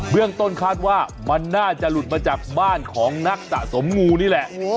เรื่องต้นคาดว่ามันน่าจะหลุดมาจากบ้านของนักสะสมงูนี่แหละ